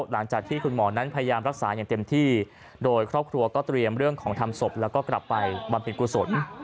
หลังจากที่คุณหมอนั้นพยายามรักษาอย่างเต็มที่โดยครอบครัวก็เตรียมเรื่องของทำศพแล้วก็กลับไปบำเพ็ญกุศล